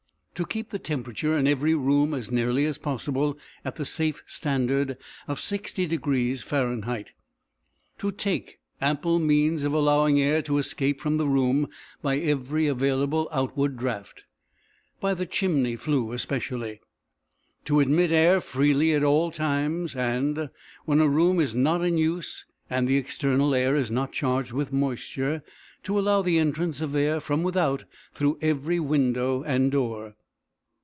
To keep the temperature in every room as nearly as possible at the safe standard of 60° Fah. To take ample means of allowing air to escape from the room by every available outward draught, by the chimney flue especially. To admit air freely at all times, and, when a room is not in use and the external air is not charged with moisture, to allow the entrance of air from without through every window and door.